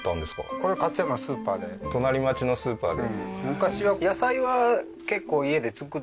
これ勝山のスーパーで隣町のスーパーで？